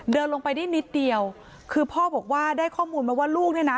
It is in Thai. เดินลงไปได้นิดเดียวคือพ่อบอกว่าได้ข้อมูลมาว่าลูกเนี่ยนะ